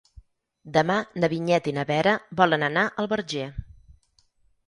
Demà na Vinyet i na Vera volen anar al Verger.